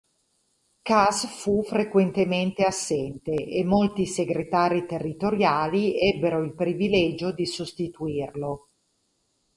Cass fu frequentemente assente e molti segretari territoriali ebbero il privilegio di sostituirlo.